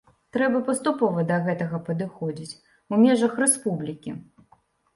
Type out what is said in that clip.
Трэба паступова да гэтага падыходзіць, у межах рэспублікі.